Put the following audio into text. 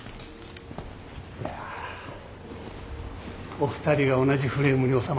いやお二人が同じフレームにおさまってる。